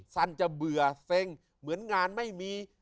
สั้นจะเบื่อเซ็งเหมือนงานไม่มี